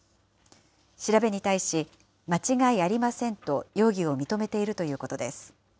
調べに対し、間違いありませんと容疑を認めているということです。